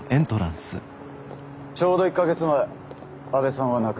ちょうど１か月前阿部さんは亡くなっている。